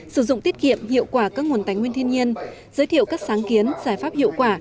sử dụng tiết kiệm hiệu quả các nguồn tài nguyên thiên nhiên giới thiệu các sáng kiến giải pháp hiệu quả